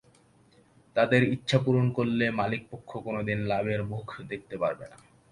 তাঁদের ইচ্ছা পূরণ করলে মালিকপক্ষ কোনো দিন লাভের মুখ দেখতে পারবে না।